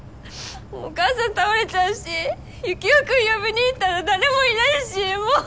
お母さん倒れちゃうしユキオ君呼びに行ったら誰もいないしもう！